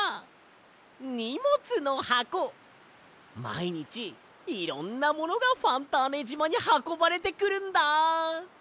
まいにちいろんなものがファンターネじまにはこばれてくるんだ！